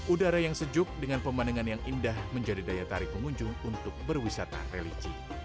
udara yang sejuk dengan pemandangan yang indah menjadi daya tarik pengunjung untuk berwisata religi